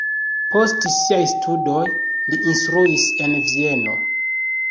Post siaj studoj li instruis en Vieno.